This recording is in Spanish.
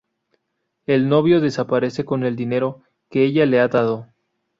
El novio desaparece con el dinero que ella le ha dado.